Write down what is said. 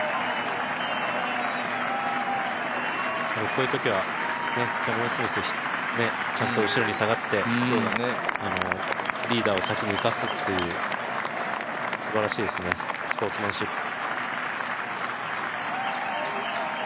こういうときはキャメロン・スミス、ちゃんと後ろに下がってリーダーを先に行かすという、すばらしいですね、スポーツマンシップ。